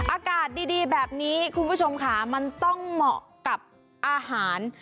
อากาศดีแบบนี้คุณผู้ชมค่ะมันต้องเหมาะกับอาหาร